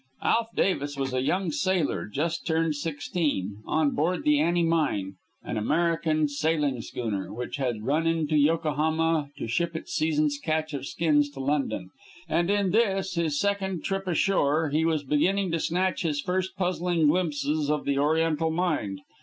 Alf Davis was a young sailor, just turned sixteen, on board the Annie Mine, an American sailing schooner, which had run into Yokohama to ship its season's catch of skins to London. And in this, his second trip ashore, he was beginning to snatch his first puzzling glimpses of the Oriental mind.